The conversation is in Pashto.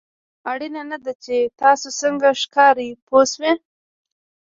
اړینه نه ده چې تاسو څنګه ښکارئ پوه شوې!.